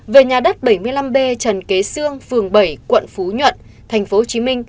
về nhà đất bảy mươi năm b trần kế sương phường bảy quận phú nhuận tp hcm